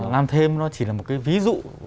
làm thêm nó chỉ là một cái ví dụ